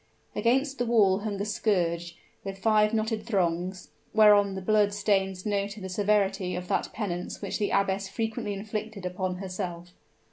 Against the wall hung a scourge, with five knotted thongs, whereon the blood stains denoted the severity of that penance which the abbess frequently inflicted upon herself.